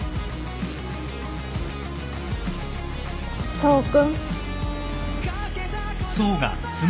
想君。